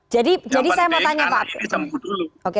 jadi saya mau tanya pak